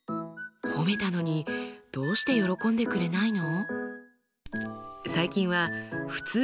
褒めたのにどうして喜んでくれないの？